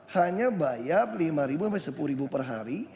hanya bayar rp lima sampai sepuluh per hari